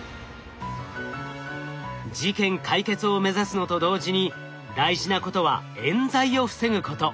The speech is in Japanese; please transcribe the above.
事件解決を目指すのと同時に大事なことはえん罪を防ぐこと。